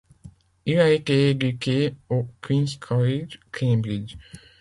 Il a été éduqué au Queens' College, Cambridge.